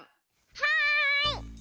はい！